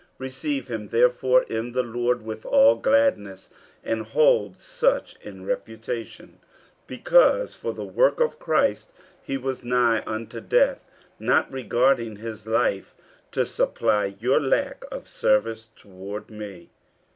50:002:029 Receive him therefore in the Lord with all gladness; and hold such in reputation: 50:002:030 Because for the work of Christ he was nigh unto death, not regarding his life, to supply your lack of service toward me.